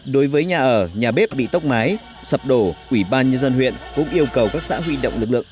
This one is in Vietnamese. đối với nhà ở nhà bếp bị tốc mái sập đổ ủy ban nhân dân huyện cũng yêu cầu các xã huy động lực lượng